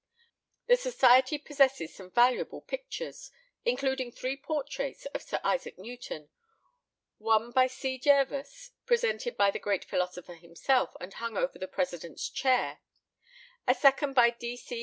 The society possesses some valuable pictures, including three portraits of Sir Isaac Newton one by C. Jervas, presented by the great philosopher himself, and hung over the president's chair; a second by D. C.